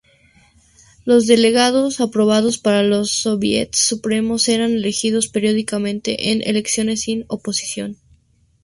Los delegados aprobados para los Sóviets Supremos eran elegidos periódicamente en elecciones sin oposición.